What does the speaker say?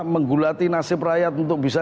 menggulati nasib rakyat untuk bisa